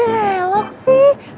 kok belok sih